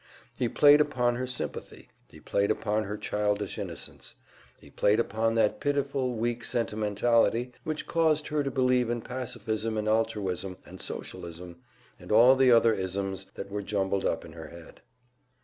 He played upon her sympathy, he played upon her childish innocence, he played upon that pitiful, weak sentimentality which caused her to believe in pacifism and altruism and socialism and all the other "isms" that were jumbled up in her head.